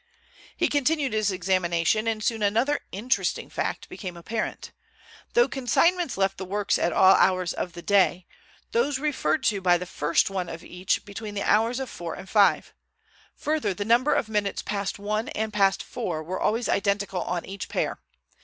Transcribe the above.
He continued his examination, and soon another interesting fact became apparent. Though consignments left the works at all hours of the day, those referred to by the first one of each between the hours of four and five. Further, the number of minutes past one and past four were always identical on each pair.